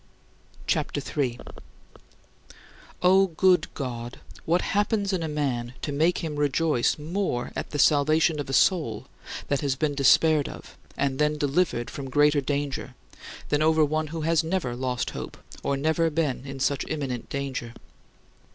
CHAPTER III 6. O good God, what happens in a man to make him rejoice more at the salvation of a soul that has been despaired of and then delivered from greater danger than over one who has never lost hope, or never been in such imminent danger?